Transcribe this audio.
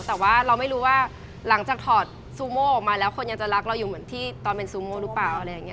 แต่ว่าเราไม่รู้ว่าหลังจากถอดซูโม่ออกมาแล้วคนยังจะรักเราอยู่เหมือนที่ตอนเป็นซูโม่หรือเปล่าอะไรอย่างนี้